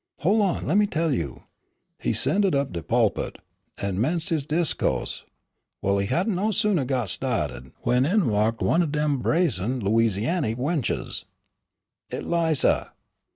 "Hol' on, lemme tell you he 'scended up de pu'pit, an' 'menced his disco'se. Well, he hadn't no sooner got sta'ted when in walked one o' dem brazen Lousiany wenches " "Eliza!"